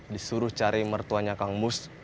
disuruh cari mertuanya kang mus